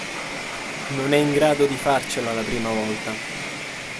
Non è in grado di farcela la prima volta.